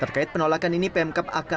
terkait penolakan ini pemkap akan